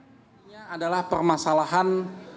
pemilu pemilu ini adalah permasalahan